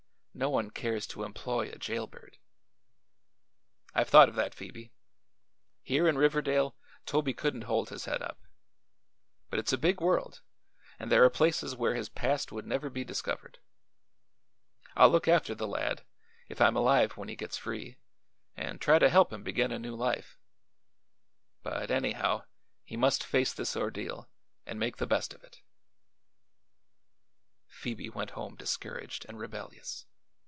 No one cares to employ a jail bird." "I've thought of that, Phoebe. Here in Riverdale Toby couldn't hold his head up. But it's a big world and there are places where his past would never be discovered. I'll look after the lad, if I'm alive when he gets free, and try to help him begin a new life; but, anyhow, he must face this ordeal and make the best of it." Phoebe went home discouraged and rebellious.